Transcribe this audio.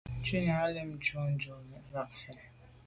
Shutnyàm lem ntùm njon dù’ fa fèn.